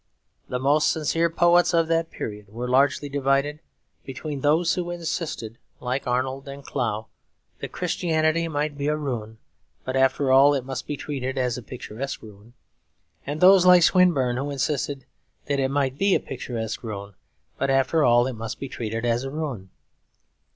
The most sincere poets of that period were largely divided between those who insisted, like Arnold and Clough, that Christianity might be a ruin, but after all it must be treated as a picturesque ruin; and those, like Swinburne, who insisted that it might be a picturesque ruin, but after all it must be treated as a ruin.